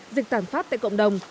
dịch tàn phát tại cộng đồng